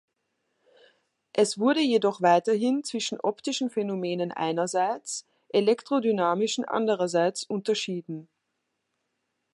Es wurde jedoch weiterhin zwischen optischen Phänomenen einerseits, elektrodynamischen andererseits unterschieden.